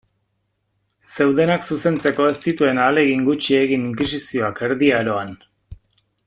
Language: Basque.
Zeudenak zuzentzeko ez zituen ahalegin gutxi egin inkisizioak Erdi Aroan.